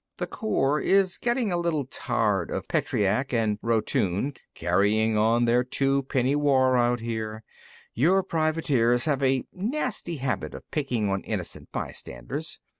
"The Corps is getting a little tired of Petreac and Rotune carrying on their two penny war out here. Your privateers have a nasty habit of picking on innocent bystanders.